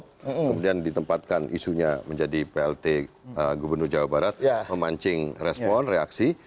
kemudian ditempatkan isunya menjadi plt gubernur jawa barat memancing respon reaksi